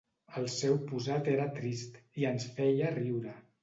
El seu posat era trist, i ens feia riure.